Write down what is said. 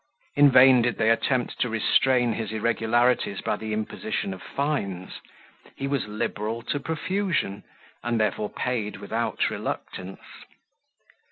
In vain did they attempt to restrain his irregularities by the imposition of fines; he was liberal to profusion, and therefore paid without reluctance.